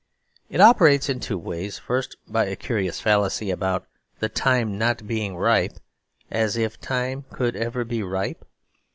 It operates in two ways; first, by a curious fallacy about "the time not being ripe" as if time could ever be ripe.